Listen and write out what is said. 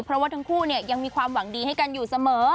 เพราะว่าทั้งคู่ยังมีความหวังดีให้กันอยู่เสมอ